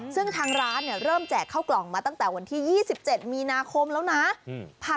ซึ่งทางร้านเริ่มแจกเข้ากล่องมาตั้งแต่วันที่๒๗มีนาคมแล้วนะ